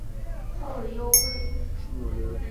后以忧归。